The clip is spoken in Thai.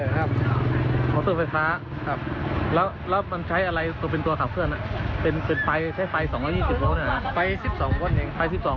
หนูน่าทานเนอะมีงาโรยด้วยอ่ะคุณ